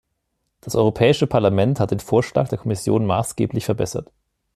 Das Europäische Parlament hat den Vorschlag der Kommission maßgeblich verbessert.